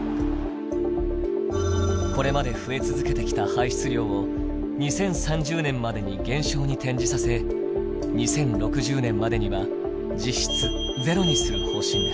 これまで増え続けてきた排出量を２０３０年までに減少に転じさせ２０６０年までには実質ゼロにする方針です。